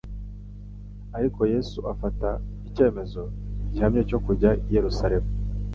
Ariko Yesu afata «icyemezo gihamye cyo kujya i Yerusalemu.»